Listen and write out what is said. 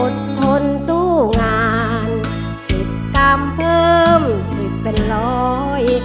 ทนสู้งานติดตามเพิ่มสิบเป็นร้อย